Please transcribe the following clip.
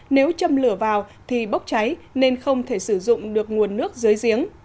nếu châm lửa vào thì bốc cháy nên không thể sử dụng được nguồn nước dưới giếng